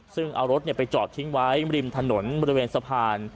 ซึ่งเอารถไปจอดทิ้งไว้ริมถนนบริเวณสะพาน